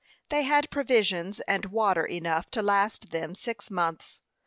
They had provisions and water enough to last them six months.